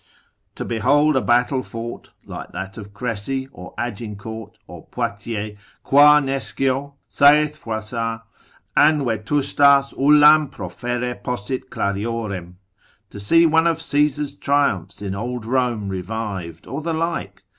To behold a battle fought, like that of Crecy, or Agincourt, or Poitiers, qua nescio (saith Froissart) an vetustas ullam proferre possit clariorem. To see one of Caesar's triumphs in old Rome revived, or the like.